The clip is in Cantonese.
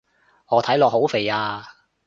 我睇落好肥啊